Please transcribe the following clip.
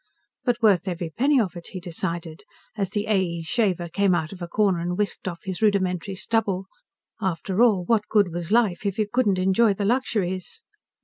But worth every penny of it, he decided, as the A. E. shaver came out of a corner and whisked off his rudimentary stubble. After all, what good was life if you couldn't enjoy the luxuries?